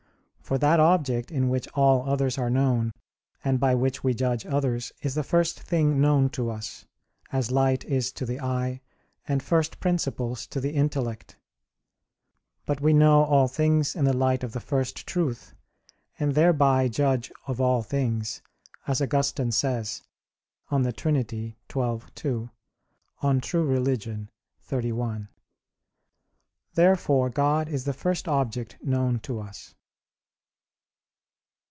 For that object in which all others are known, and by which we judge others, is the first thing known to us; as light is to the eye, and first principles to the intellect. But we know all things in the light of the first truth, and thereby judge of all things, as Augustine says (De Trin. xii, 2; De Vera Relig. xxxi); [*Confess. xii, 25]. Therefore God is the first object known to us.